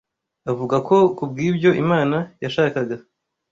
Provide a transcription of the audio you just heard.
avuga ko kubw’ibyo Imana yashakaga